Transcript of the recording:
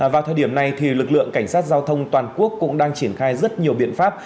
vào thời điểm này lực lượng cảnh sát giao thông toàn quốc cũng đang triển khai rất nhiều biện pháp